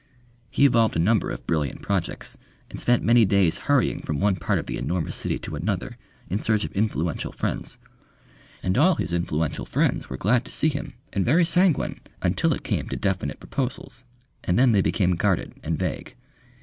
He evolved a number of brilliant projects, and spent many days hurrying from one part of the enormous city to another in search of influential friends; and all his influential friends were glad to see him, and very sanguine until it came to definite proposals, and then they became guarded and vague.